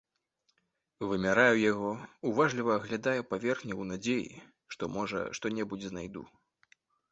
Вымяраю яго, уважліва аглядаю паверхню ў надзеі, што, можа, што-небудзь знайду.